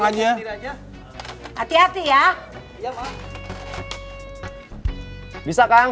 mak mau dong